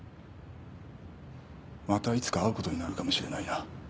またいつか会うことになるかもしれないな。